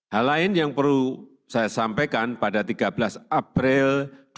hal lain yang perlu saya sampaikan pada tiga belas april dua ribu dua puluh